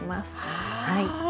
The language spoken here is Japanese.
はい。